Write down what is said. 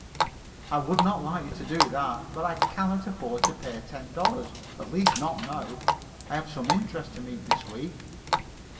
"I would not like you to do that, but I cannot afford to pay ten dollars at least not now. I have some interest to meet this week."